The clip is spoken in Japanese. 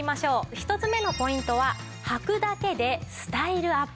１つ目のポイントははくだけでスタイルアップです。